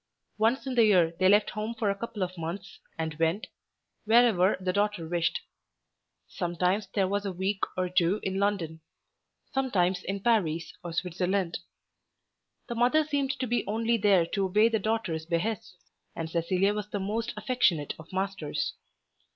Once in the year they left home for a couple of months and went, wherever the daughter wished. Sometimes there was a week or two in London; sometimes in Paris or Switzerland. The mother seemed to be only there to obey the daughter's behests, and Cecilia was the most affectionate of masters.